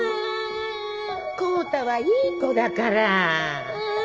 康太はいい子だから。